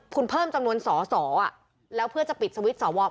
คุณเพิ่มจำนวนสอสอแล้วเพื่อจะปิดสวิตช์สว